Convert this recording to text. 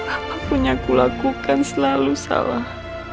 apapun yang aku lakukan selalu salah